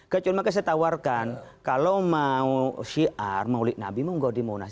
gak cuma saya tawarkan kalau mau syiar mau li'nabi mau gak di munas